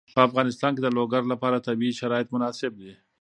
په افغانستان کې د لوگر لپاره طبیعي شرایط مناسب دي.